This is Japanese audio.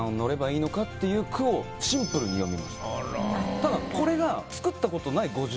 ただこれがはい。